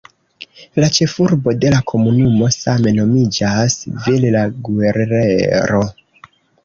La ĉefurbo de la komunumo same nomiĝas "Villa Guerrero".